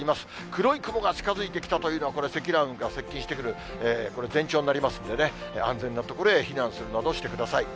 黒い雲が近づいてきたというのは、これ、積乱雲が接近してくる前兆になりますので、安全な所へ避難するなどしてください。